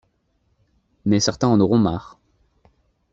Mais certains en auront marre.